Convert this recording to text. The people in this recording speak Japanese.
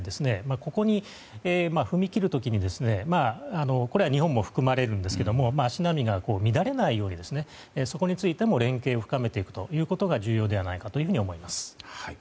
ここに踏み切る時にこれは日本も含まれるんですけれども足並みが乱れないように連携を深めていくことが重要ではないかと思います。